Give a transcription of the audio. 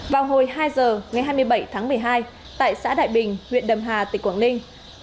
vào hồi hai giờ ngày hai mươi bảy tháng một mươi hai tại xã đại bình huyện đầm hà tỉnh quảng ninh